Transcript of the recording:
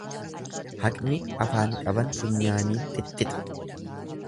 Haqni afaan qaban funyaaniin xixxixa.